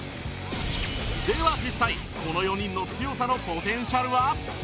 では実際この４人の強さのポテンシャルは？